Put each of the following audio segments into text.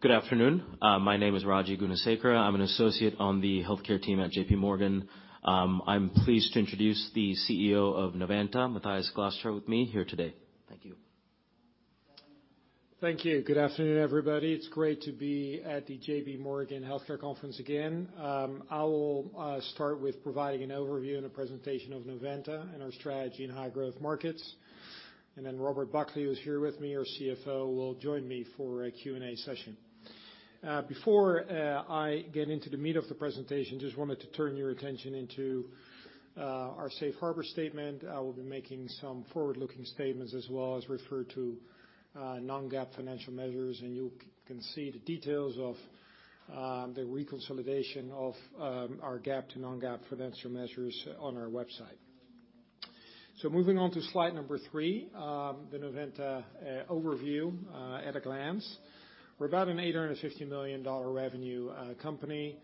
Good afternoon. My name is Raji Gunasekera. I'm an associate on the healthcare team at J.P. Morgan. I'm pleased to introduce the CEO of Novanta, Matthijs Glastra, with me here today. Thank you. Thank you. Good afternoon, everybody. It's great to be at the J.P. Morgan Healthcare Conference again. I will start with providing an overview and a presentation of Novanta and our strategy in high-growth markets. Robert Buckley, who's here with me, our CFO, will join me for a Q&A session. Before I get into the meat of the presentation, just wanted to turn your attention into our safe harbor statement. I will be making some forward-looking statements as well as refer to non-GAAP financial measures, and you can see the details of the reconciliation of our GAAP to non-GAAP financial measures on our website. Moving on to slide three, the Novanta overview at a glance. We're about a $850 million revenue company,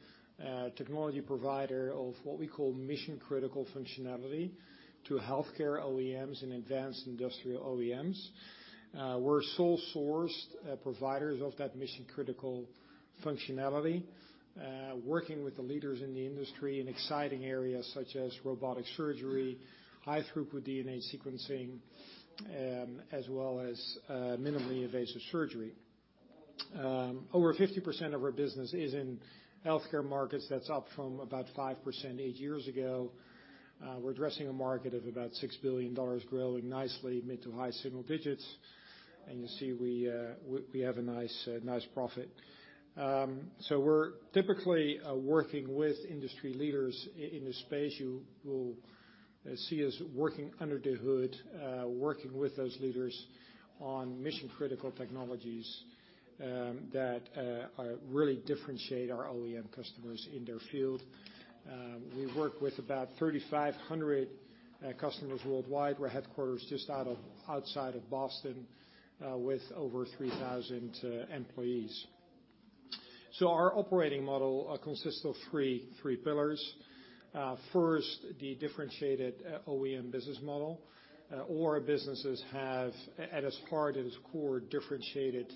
technology provider of what we call mission-critical functionality to healthcare OEMs and advanced industrial OEMs. We're sole source providers of that mission-critical functionality, working with the leaders in the industry in exciting areas such as robotic surgery, high-throughput DNA sequencing, as well as minimally invasive surgery. Over 50% of our business is in healthcare markets. That's up from about 5% eight years ago. We're addressing a market of about $6 billion, growing nicely mid to high single digits. You see we have a nice profit. We're typically working with industry leaders in this space. You will see us working under the hood, working with those leaders on mission-critical technologies, that really differentiate our OEM customers in their field. We work with about 3,500 customers worldwide. We're headquarters just outside of Boston, with over 3,000 employees. Our operating model consists of three pillars. First, the differentiated OEM business model. All our businesses have at its heart, at its core, differentiated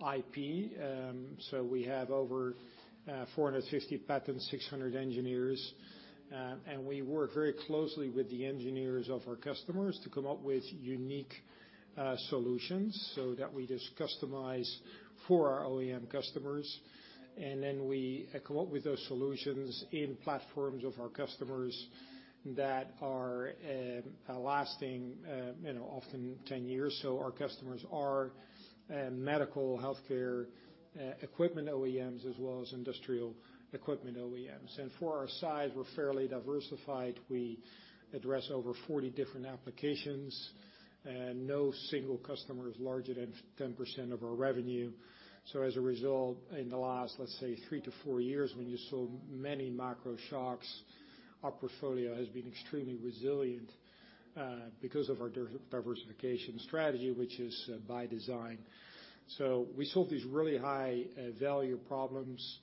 IP. We have over 450 patents, 600 engineers, and we work very closely with the engineers of our customers to come up with unique solutions so that we just customize for our OEM customers. We come up with those solutions in platforms of our customers that are lasting, you know, often 10 years. Our customers are medical healthcare equipment OEMs, as well as industrial equipment OEMs. For our size, we're fairly diversified. We address over 40 different applications, and no single customer is larger than 10% of our revenue. As a result, in the last, let's say, three-four years, when you saw many macro shocks, our portfolio has been extremely resilient because of our diversification strategy, which is by design. We solve these really high value problems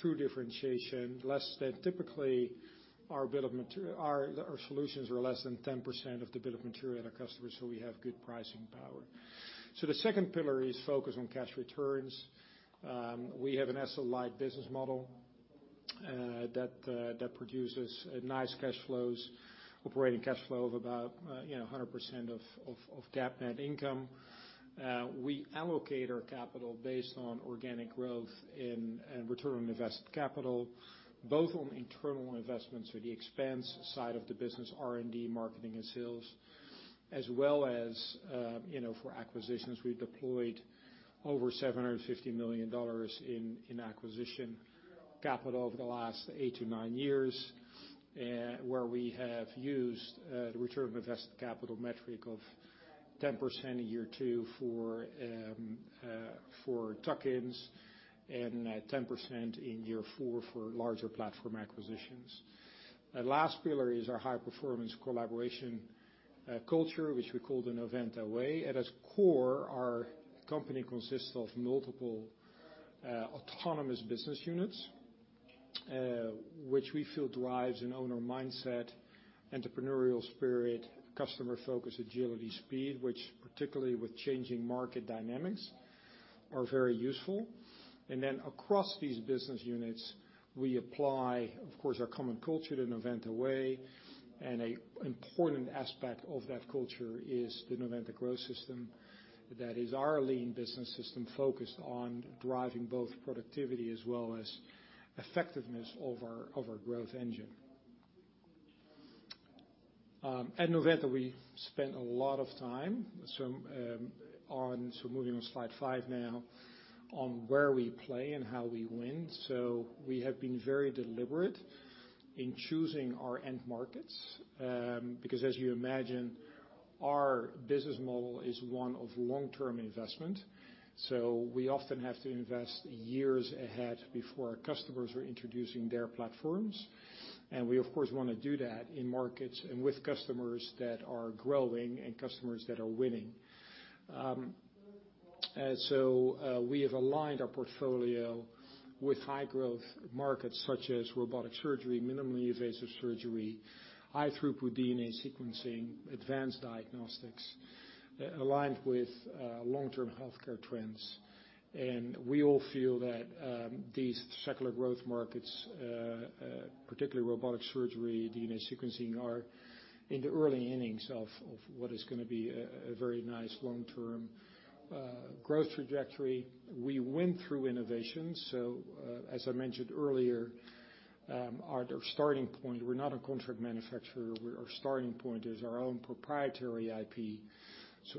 through differentiation. Typically, our bill of materials Our solutions are less than 10% of the bill of materials in our customers, so we have good pricing power. The second pillar is focus on cash returns. We have an asset-light business model that produces nice cash flows, operating cash flow of about 100% of GAAP net income. We allocate our capital based on organic growth in return on invested capital, both on internal investments, so the expense side of the business, R&D, marketing and sales, as well as for acquisitions. We deployed over $750 million in acquisition capital over the last 8-9 years, where we have used the return on invested capital metric of 10% in year two for tuck-ins and 10% in year four for larger platform acquisitions. The last pillar is our high-performance collaboration culture, which we call the Novanta Way. At its core, our company consists of multiple autonomous business units, which we feel drives an owner mindset, entrepreneurial spirit, customer focus, agility, speed, which particularly with changing market dynamics, are very useful. Across these business units, we apply, of course, our common culture, the Novanta Way, and a important aspect of that culture is the Novanta Growth System. That is our lean business system focused on driving both productivity as well as effectiveness of our, of our growth engine. At Novanta, we spent a lot of time moving on slide five now, on where we play and how we win. We have been very deliberate in choosing our end markets, because as you imagine, our business model is one of long-term investment. We often have to invest years ahead before our customers are introducing their platforms. We of course, wanna do that in markets and with customers that are growing and customers that are winning. We have aligned our portfolio with high growth markets such as robotic surgery, minimally invasive surgery, high-throughput DNA sequencing, advanced diagnostics, aligned with long-term healthcare trends. We all feel that these secular growth markets, particularly robotic surgery, DNA sequencing, are in the early innings of what is gonna be a very nice long-term growth trajectory. We win through innovation. As I mentioned earlier, our starting point, we're not a contract manufacturer. Our starting point is our own proprietary IP.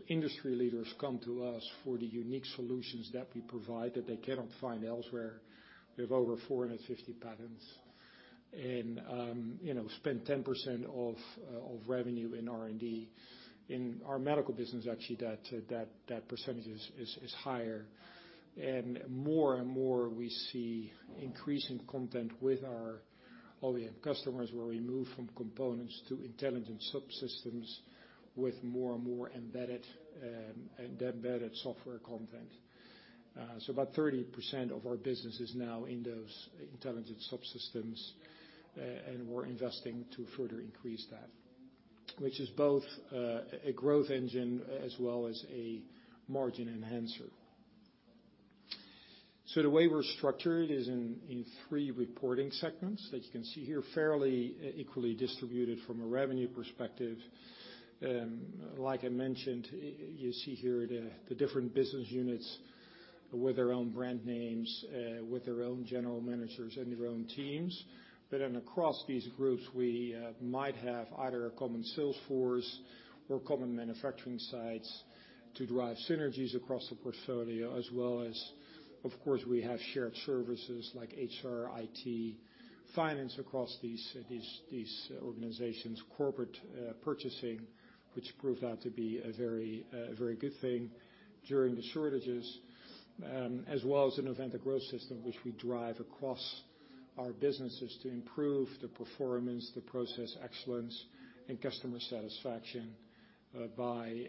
Industry leaders come to us for the unique solutions that we provide, that they cannot find elsewhere. We have over 450 patents, you know, spend 10% of revenue in R&D. In our medical business, actually, that percentage is higher. More and more, we see increasing content with our OEM customers, where we move from components to intelligent subsystems with more and more embedded software content. About 30% of our business is now in those intelligent subsystems, and we're investing to further increase that, which is both a growth engine as well as a margin enhancer. The way we're structured is in three reporting segments, as you can see here, fairly equally distributed from a revenue perspective. Like I mentioned, you see here the different business units with their own brand names, with their own general managers and their own teams. Across these groups, we might have either a common sales force or common manufacturing sites to drive synergies across the portfolio, as well as, of course, we have shared services like HR, IT, finance across these organizations. Corporate purchasing, which proved out to be a very good thing during the shortages, as well as the Novanta Growth System, which we drive across our businesses to improve the performance, the process excellence, and customer satisfaction, by,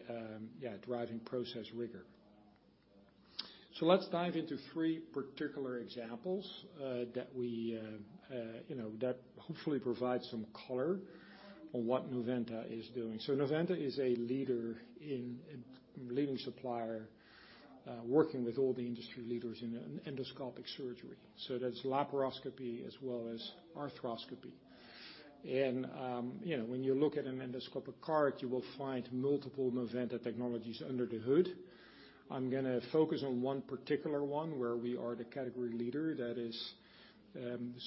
yeah, driving process rigor. Let's dive into three particular examples that we, you know, that hopefully provide some color on what Novanta is doing. Novanta is a leading supplier, working with all the industry leaders in endoscopic surgery, so that's laparoscopy as well as arthroscopy. You know, when you look at an endoscopic cart, you will find multiple Novanta technologies under the hood. I'm gonna focus on one particular one where we are the category leader. That is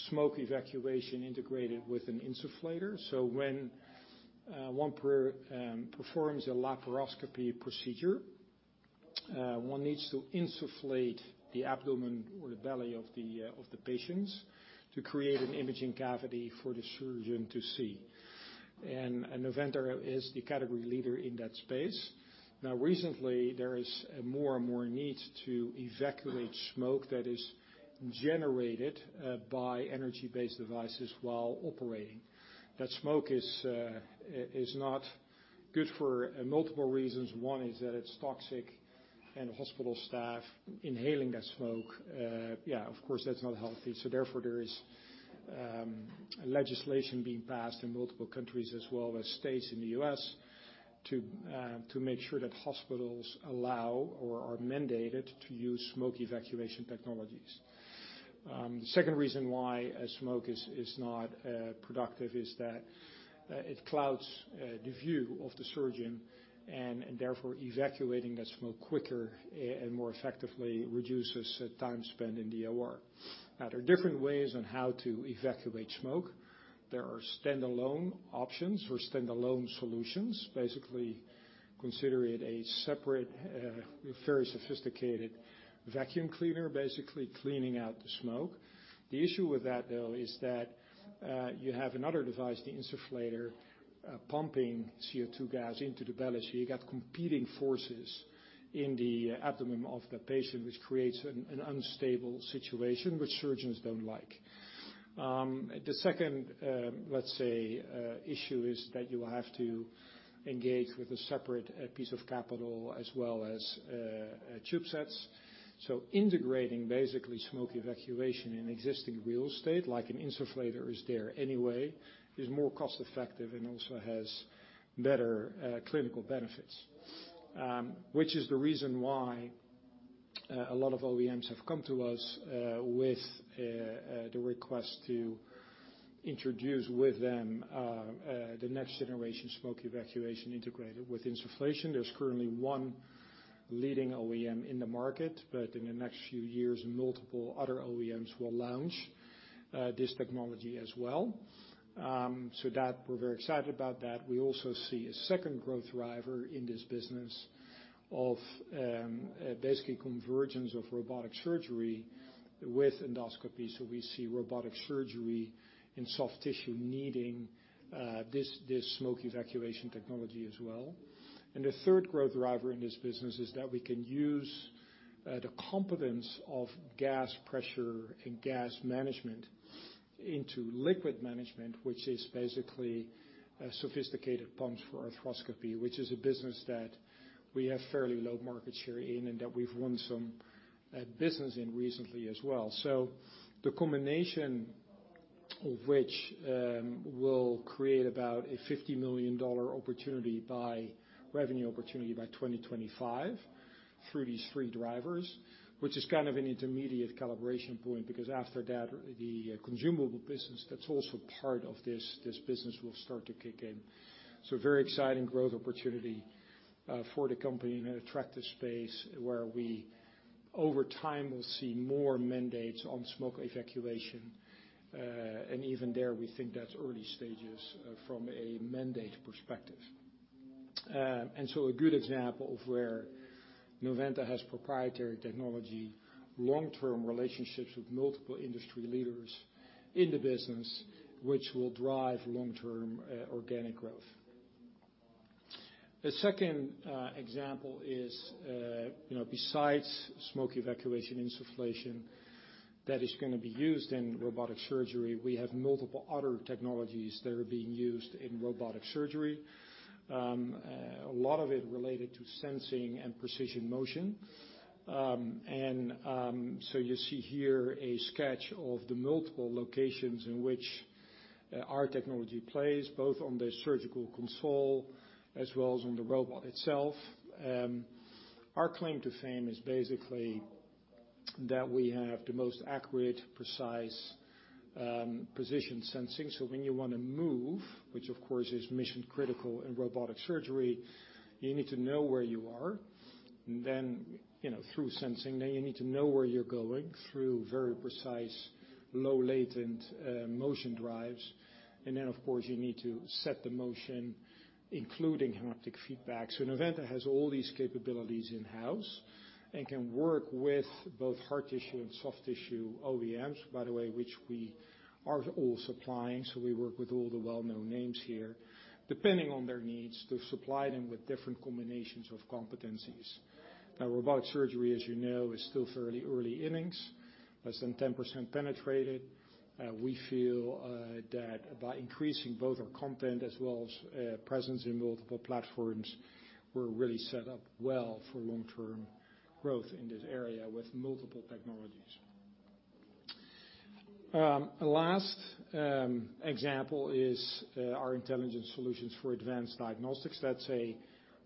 smoke evacuation integrated with an insufflator. when one performs a laparoscopy procedure, one needs to insufflate the abdomen or the belly of the patients to create an imaging cavity for the surgeon to see. Novanta is the category leader in that space. Recently, there is more and more need to evacuate smoke that is generated by energy-based devices while operating. That smoke is not good for multiple reasons. One is that it's toxic, and hospital staff inhaling that smoke, yeah, of course, that's not healthy. Therefore, there is legislation being passed in multiple countries as well as states in the U.S. to make sure that hospitals allow or are mandated to use smoke evacuation technologies. The second reason why smoke is not productive is that it clouds the view of the surgeon, and therefore evacuating that smoke quicker and more effectively reduces time spent in the OR. Now, there are different ways on how to evacuate smoke. There are standalone options or standalone solutions. Basically, consider it a separate, very sophisticated vacuum cleaner, basically cleaning out the smoke. The issue with that, though, is that you have another device, the insufflator, pumping CO2 gas into the belly, so you got competing forces in the abdomen of the patient, which creates an unstable situation, which surgeons don't like. The second, let's say, issue is that you will have to engage with a separate piece of capital as well as tube sets. Integrating basically smoke evacuation in existing real estate, like an insufflator, is there anyway, is more cost effective and also has better clinical benefits. Which is the reason why a lot of OEMs have come to us with the request to introduce with them the next generation smoke evacuation integrated with insufflation. There's currently one leading OEM in the market, but in the next few years, multiple other OEMs will launch this technology as well. We're very excited about that. We also see a second growth driver in this business of basically convergence of robotic surgery with endoscopy. We see robotic surgery in soft tissue needing this smoke evacuation technology as well. The third growth driver in this business is that we can use the competence of gas pressure and gas management into liquid management, which is basically sophisticated pumps for arthroscopy, which is a business that we have fairly low market share in and that we've won some business in recently as well. The combination of which will create about a $50 million revenue opportunity by 2025 through these three drivers, which is kind of an intermediate calibration point, because after that, the consumable business, that's also part of this business will start to kick in. Very exciting growth opportunity, for the company in an attractive space where we, over time, will see more mandates on smoke evacuation. Even there, we think that's early stages, from a mandate perspective. A good example of where Novanta has proprietary technology, long-term relationships with multiple industry leaders in the business, which will drive long-term, organic growth. The second, example is, you know, besides smoke evacuation insufflation that is gonna be used in robotic surgery, we have multiple other technologies that are being used in robotic surgery. A lot of it related to sensing and precision motion. You see here a sketch of the multiple locations in which, our technology plays, both on the surgical console as well as on the robot itself. Our claim to fame is basically that we have the most accurate, precise, position sensing. When you wanna move, which of course is mission-critical in robotic surgery, you need to know where you are. You know, through sensing, then you need to know where you're going through very precise, low latent, motion drives. Of course, you need to set the motion, including haptic feedback. Novanta has all these capabilities in-house and can work with both hard tissue and soft tissue OEMs, by the way, which we are all supplying. We work with all the well-known names here, depending on their needs to supply them with different combinations of competencies. Now, robotic surgery, as you know, is still fairly early innings, less than 10% penetrated. We feel that by increasing both our content as well as presence in multiple platforms, we're really set up well for long-term growth in this area with multiple technologies. Last example is our intelligence solutions for advanced diagnostics. That's a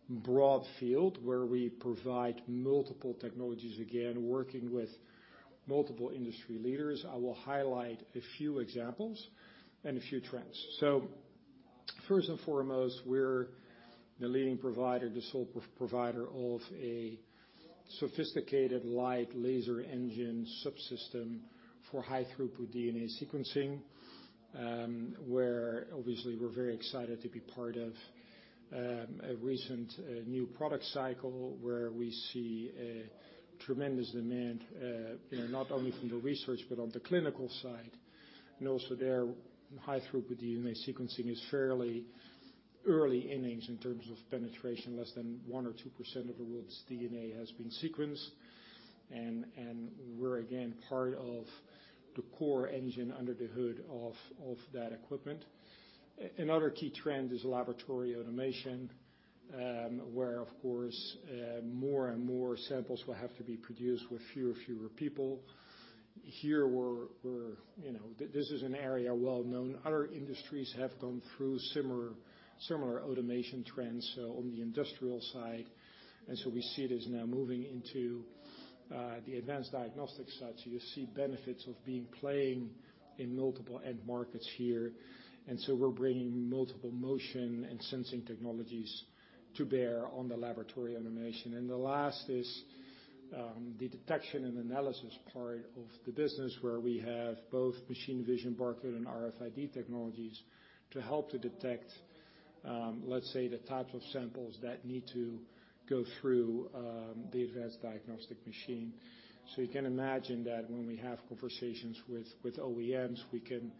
broad field where we provide multiple technologies, again, working with multiple industry leaders. I will highlight a few examples and a few trends. First and foremost, we're the leading provider, the sole provider of a sophisticated light laser engine subsystem for high-throughput DNA sequencing, where obviously we're very excited to be part of a recent new product cycle where we see a tremendous demand, you know, not only from the research, but on the clinical side. Also there, high-throughput DNA sequencing is fairly early innings in terms of penetration. Less than 1% or 2% of the world's DNA has been sequenced. We're again, part of the core engine under the hood of that equipment. Another key trend is laboratory automation, where of course, more and more samples will have to be produced with fewer people. Here, we're, you know, this is an area well-known. Other industries have gone through similar automation trends on the industrial side. We see it as now moving into the advanced diagnostic side. You see benefits of being playing in multiple end markets here. We're bringing multiple motion and sensing technologies to bear on the laboratory automation. The last is the detection and analysis part of the business where we have both machine vision, barcode, and RFID technologies to help to detect, let's say, the types of samples that need to go through the advanced diagnostic machine. You can imagine that when we have conversations with OEMs, we can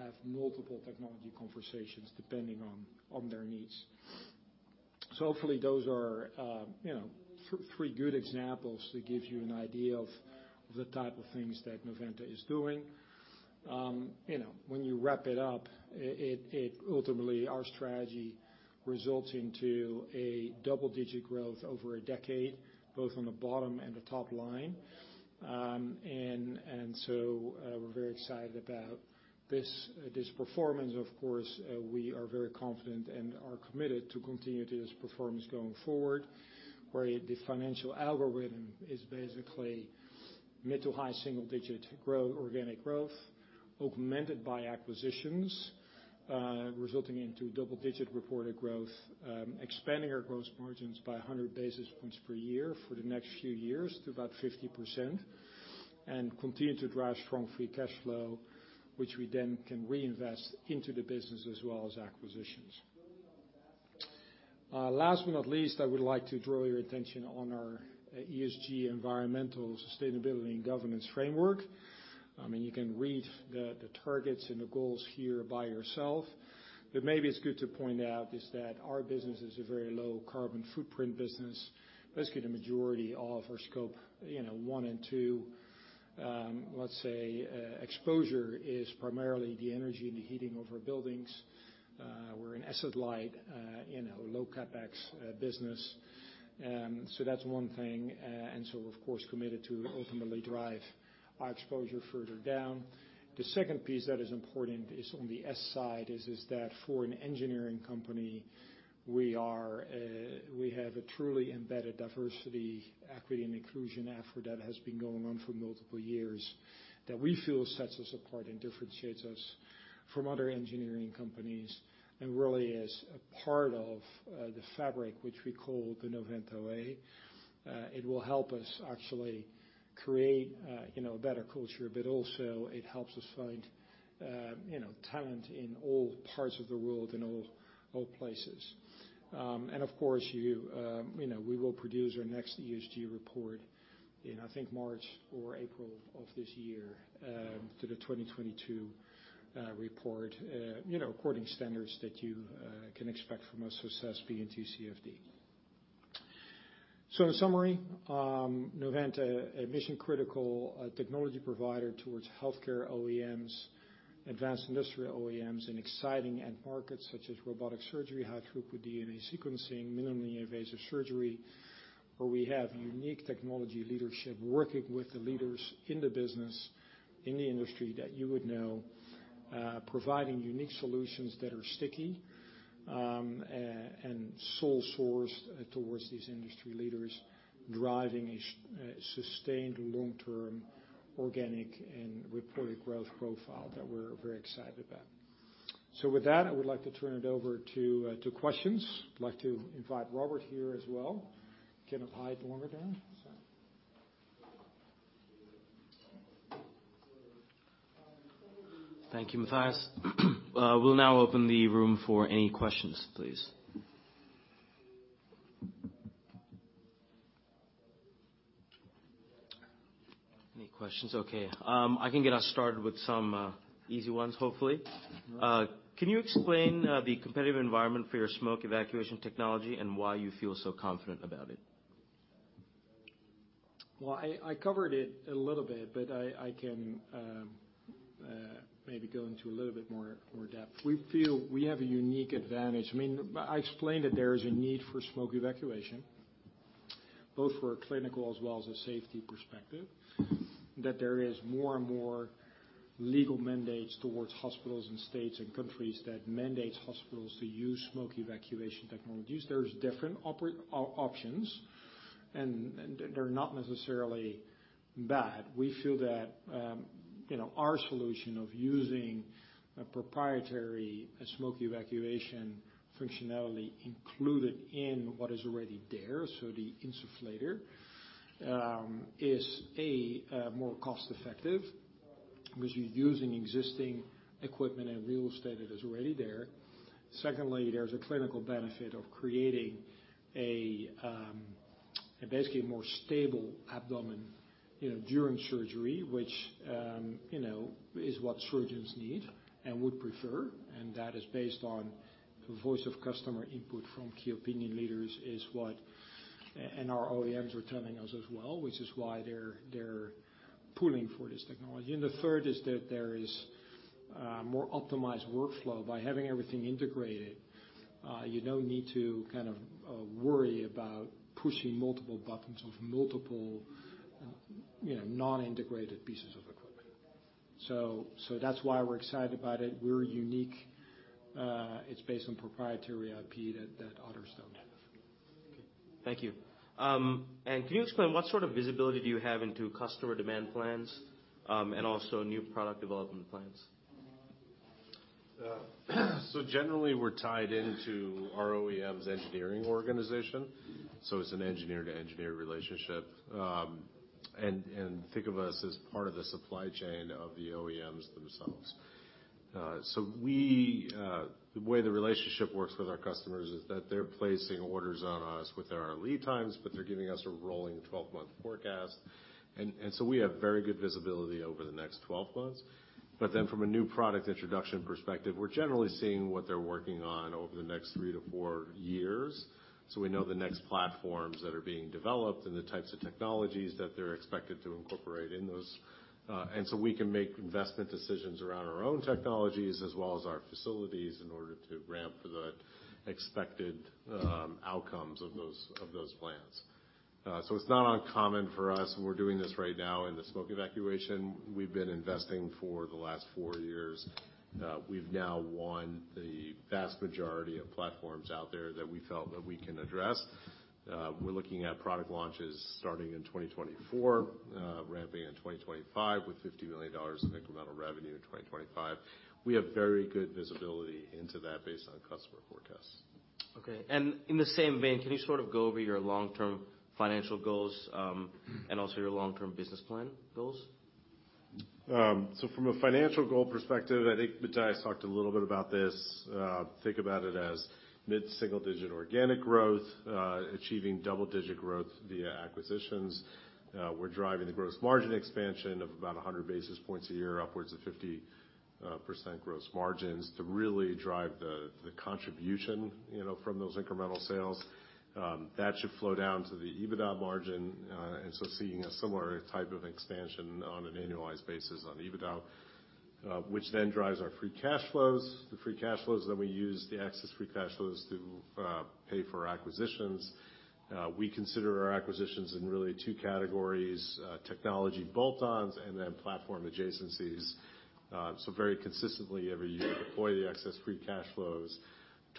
have multiple technology conversations depending on their needs. Hopefully, those are, you know, three good examples to give you an idea of the type of things that Novanta is doing. You know, when you wrap it up, it ultimately, our strategy results into a double-digit growth over a decade, both on the bottom and the top line. We're very excited about this performance. Of course, we are very confident and are committed to continue this performance going forward, where the financial algorithm is basically mid to high single-digit organic growth, augmented by acquisitions, resulting into double-digit reported growth, expanding our gross margins by 100 basis points per year for the next few years to about 50%, and continue to drive strong free cash flow, which we then can reinvest into the business as well as acquisitions. Last but not least, I would like to draw your attention on our ESG environmental sustainability and governance framework. I mean, you can read the targets and the goals here by yourself. Maybe it's good to point out is that our business is a very low carbon footprint business. Basically, the majority of our Scope 1 and Scope 2, you know, let's say, exposure is primarily the energy and the heating of our buildings. We're an asset-light, you know, low CapEx business. That's one thing. We're of course committed to ultimately drive our exposure further down. The second piece that is important is on the S side, is that for an engineering company, we are, we have a truly embedded diversity, equity, and inclusion effort that has been going on for multiple years that we feel sets us apart and differentiates us from other engineering companies and really is a part of the fabric which we call the Novanta Way. It will help us actually create, you know, a better culture, but also it helps us find, you know, talent in all parts of the world, in all places. Of course, you know, we will produce our next ESG report in, I think, March or April of this year, to the 2022 report, you know, according to standards that you can expect from us with SASB and TCFD. In summary, Novanta, a mission-critical technology provider towards healthcare OEMs, advanced industrial OEMs, and exciting end markets such as robotic surgery, high-throughput DNA sequencing, minimally invasive surgery, where we have unique technology leadership working with the leaders in the business, in the industry that you would know, providing unique solutions that are sticky, and sole source towards these industry leaders, driving a sustained long-term organic and reported growth profile that we're very excited about. With that, I would like to turn it over to questions. I'd like to invite Robert here as well. You can apply the remote there. Sorry. Thank you, Matthijs. We'll now open the room for any questions, please. Any questions? Okay. I can get us started with some easy ones, hopefully. Can you explain the competitive environment for your smoke evacuation technology and why you feel so confident about it? I covered it a little bit, but I can maybe go into a little bit more depth. We feel we have a unique advantage. I mean, I explained that there is a need for smoke evacuation, both for a clinical as well as a safety perspective, that there is more and more legal mandates towards hospitals and states and countries that mandate hospitals to use smoke evacuation technologies. There's different options, and they're not necessarily bad. We feel that, you know, our solution of using a proprietary smoke evacuation functionality included in what is already there, so the insufflator, is a more cost effective because you're using existing equipment and real estate that is already there. Secondly, there's a clinical benefit of creating a, basically a more stable abdomen, you know, during surgery, which, you know, is what surgeons need and would prefer. That is based on voice of customer input from key opinion leaders and our OEMs are telling us as well, which is why they're pulling for this technology. The third is that there is more optimized workflow. By having everything integrated, you don't need to kind of worry about pushing multiple buttons of multiple, you know, non-integrated pieces of equipment. That's why we're excited about it. We're unique. It's based on proprietary IP that others don't have. Thank you. Can you explain what sort of visibility do you have into customer demand plans, and also new product development plans? Generally, we're tied into our OEM's engineering organization, so it's an engineer-to-engineer relationship. Think of us as part of the supply chain of the OEMs themselves. We, the way the relationship works with our customers is that they're placing orders on us with our lead times, but they're giving us a rolling 12-month forecast. We have very good visibility over the next 12 months. From a new product introduction perspective, we're generally seeing what they're working on over the next three to four years. We know the next platforms that are being developed and the types of technologies that they're expected to incorporate in those. We can make investment decisions around our own technologies as well as our facilities in order to ramp the expected outcomes of those plans. It's not uncommon for us, and we're doing this right now in the smoke evacuation. We've been investing for the last four years. We've now won the vast majority of platforms out there that we felt that we can address. We're looking at product launches starting in 2024, ramping in 2025 with $50 million in incremental revenue in 2025. We have very good visibility into that based on customer forecasts. Okay. In the same vein, can you sort of go over your long-term financial goals and also your long-term business plan goals? From a financial goal perspective, I think Matthijs talked a little bit about this. Think about it as mid-single-digit organic growth, achieving double-digit growth via acquisitions. We're driving the gross margin expansion of about 100 basis points a year, upwards of 50% gross margins to really drive the contribution, you know, from those incremental sales. That should flow down to the EBITDA margin, seeing a similar type of expansion on an annualized basis on EBITDA. Drives our free cash flows. The free cash flows that we use, the excess free cash flows to pay for acquisitions. We consider our acquisitions in really two categories, technology bolt-ons and then platform adjacencies. Very consistently every year, deploy the excess free cash flows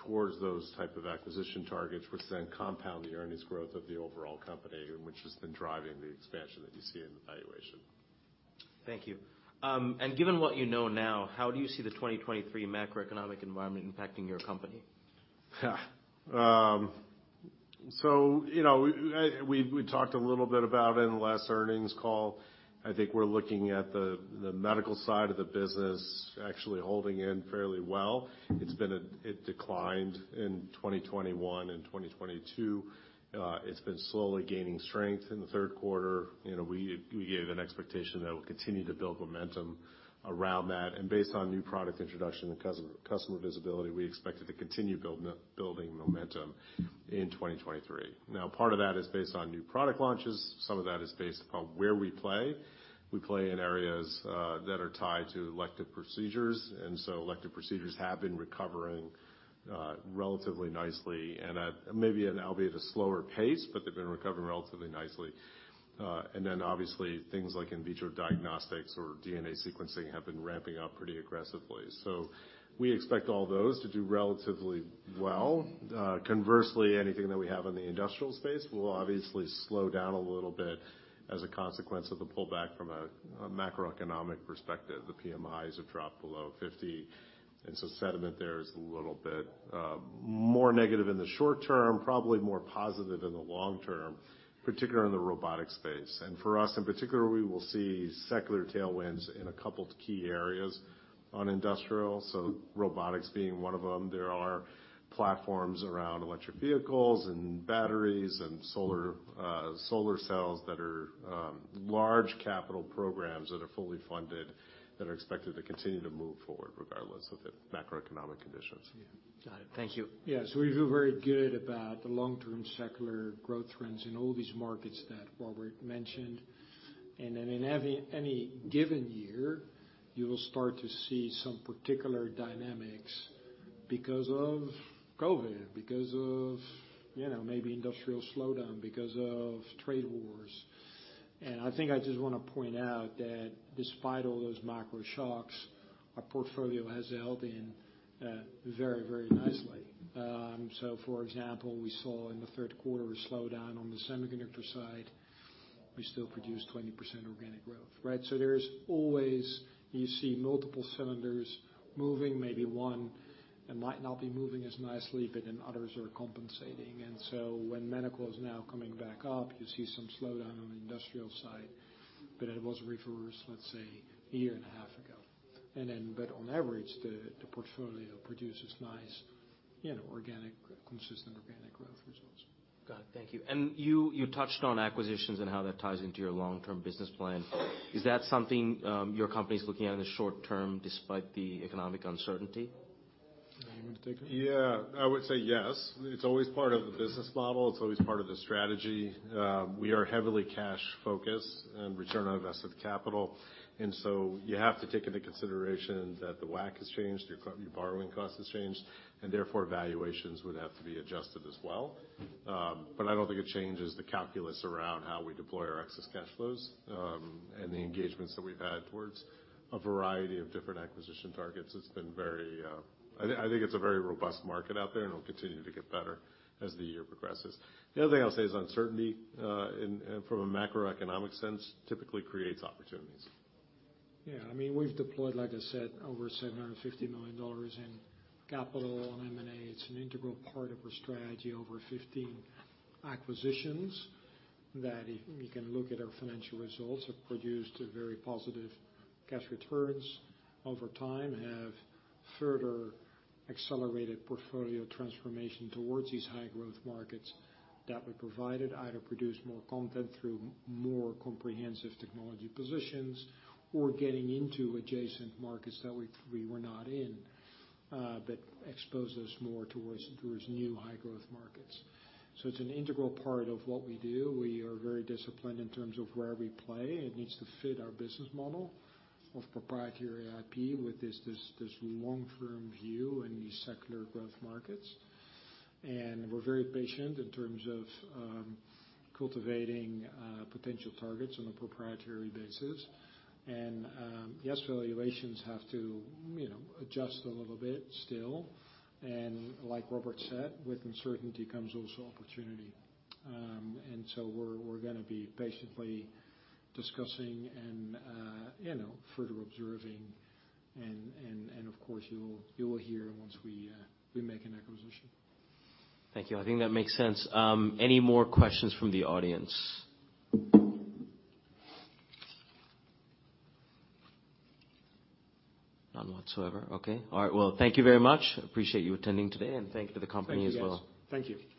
towards those type of acquisition targets, which then compound the earnings growth of the overall company, and which is then driving the expansion that you see in the valuation. Thank you. Given what you know now, how do you see the 2023 macroeconomic environment impacting your company? You know, we talked a little bit about it in the last earnings call. I think we're looking at the medical side of the business actually holding in fairly well. It declined in 2021 and 2022. It's been slowly gaining strength in the third quarter. You know, we gave an expectation that we'll continue to build momentum around that. Based on new product introduction and customer visibility, we expect it to continue building momentum in 2023. Part of that is based on new product launches, some of that is based upon where we play. We play in areas that are tied to elective procedures, elective procedures have been recovering relatively nicely and at maybe and albeit a slower pace, but they've been recovering relatively nicely. Then obviously things like in vitro diagnostics or DNA sequencing have been ramping up pretty aggressively. We expect all those to do relatively well. Conversely, anything that we have in the industrial space will obviously slow down a little bit as a consequence of the pullback from a macroeconomic perspective. The PMIs have dropped below 50. The sentiment there is a little bit more negative in the short term, probably more positive in the long term, particularly in the robotic space. For us, in particular, we will see secular tailwinds in a couple key areas on industrial, so robotics being one of them. There are platforms around electric vehicles and batteries and solar cells that are large capital programs that are fully funded that are expected to continue to move forward regardless of the macroeconomic conditions. Yeah. Got it. Thank you. Yeah. We feel very good about the long-term secular growth trends in all these markets that Robert mentioned. Then in any given year, you will start to see some particular dynamics because of COVID, because of, you know, maybe industrial slowdown, because of trade wars. I think I just wanna point out that despite all those macro shocks, our portfolio has held in very, very nicely. So for example, we saw in the third quarter a slowdown on the semiconductor side, we still produced 20% organic growth, right? There's always, you see multiple cylinders moving, maybe one that might not be moving as nicely, but then others are compensating. So when medical is now coming back up, you see some slowdown on the industrial side, but it was reversed, let's say, a year and a half ago. On average, the portfolio produces nice, you know, organic, consistent organic growth results. Got it. Thank you. You touched on acquisitions and how that ties into your long-term business plan. Is that something your company's looking at in the short term despite the economic uncertainty? You want me to take it? Yeah. I would say yes. It's always part of the business model. It's always part of the strategy. We are heavily cash-focused in return on invested capital. You have to take into consideration that the WAC has changed, your borrowing cost has changed, and therefore, valuations would have to be adjusted as well. I don't think it changes the calculus around how we deploy our excess cash flows and the engagements that we've had towards a variety of different acquisition targets. It's been very. I think it's a very robust market out there, and it'll continue to get better as the year progresses. The other thing I'll say is uncertainty, and from a macroeconomic sense typically creates opportunities. I mean, we've deployed, like I said, over $750 million in capital on M&A. It's an integral part of our strategy. Over 15 acquisitions that if you can look at our financial results, have produced very positive cash returns over time, have further accelerated portfolio transformation towards these high growth markets that we provided, either produced more content through more comprehensive technology positions or getting into adjacent markets that we were not in, expose us more towards new high growth markets. It's an integral part of what we do. We are very disciplined in terms of where we play. It needs to fit our business model of proprietary IP with this long-term view in these secular growth markets. We're very patient in terms of cultivating potential targets on a proprietary basis. Yes, valuations have to, you know, adjust a little bit still. Like Robert said, with uncertainty comes also opportunity. We're gonna be patiently discussing and, you know, further observing and of course, you will hear once we make an acquisition. Thank you. I think that makes sense. Any more questions from the audience? None whatsoever. Okay. All right. Well, thank you very much. Appreciate you attending today, and thank you to the company as well. Thank you guys. Thank you.